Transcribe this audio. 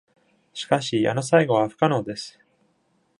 しかし、あの最後は不可能です。